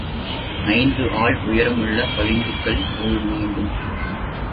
ஐந்து ஆள் உயரமுள்ள பளிங்குக்கல் தூண்வேண்டும்.